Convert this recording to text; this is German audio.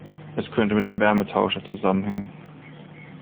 Es könnte mit dem Wärmetauscher zusammenhängen.